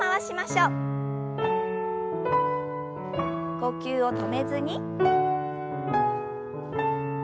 呼吸を止めずに。